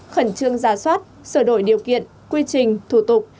khẩn trương ra soát sửa đổi điều kiện quy trình thủ tục